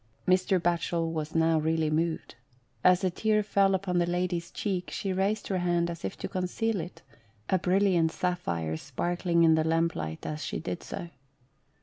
Mr. Batchel was now really moved. As a tear fell upon the lady's cheek, she raised her hand as if to conceal it — a brilliant sapphire sparkling in the lamp light as she did so.